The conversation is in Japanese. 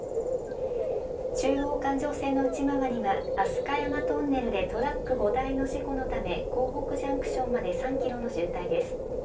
中央環状線の内回りはあすか山トンネルでトラック５台の事故のため、こうほくジャンクションまで３キロの渋滞です。